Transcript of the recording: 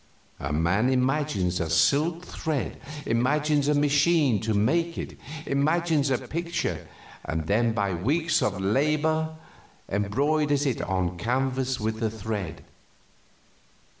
A man imagines a silk thread, imagines a machine to make it, imagines a picture, then by weeks of labor embroiders it on canvas with the thread.